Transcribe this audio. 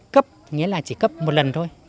cấp nghĩa là chỉ cấp một lần thôi